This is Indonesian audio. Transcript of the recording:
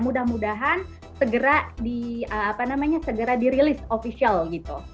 mudah mudahan segera di release official gitu